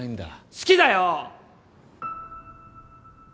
好きだよ！！